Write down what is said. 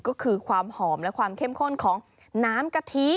ก็คือความหอมและความเข้มข้นของน้ำกะทิ